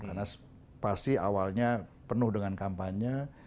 karena pasti awalnya penuh dengan kampanye